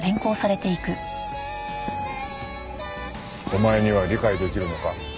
お前には理解できるのか？